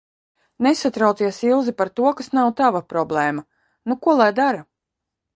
Nesatraucies, Ilze, par to, kas nav tava problēma! Nu, ko lai dara?